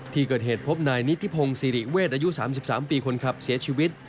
ที่เกิดเหตุพบนายนิธิพงศิริเวศอายุ๓๓ปีคนขับเสียชีวิต